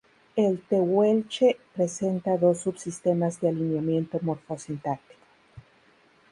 El tehuelche presenta dos subsistemas de alineamiento morfosintáctico.